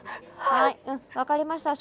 はいうん分かりました。